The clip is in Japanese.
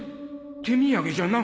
手土産じゃなく？